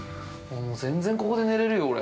もう全然ここで寝れるよ、俺。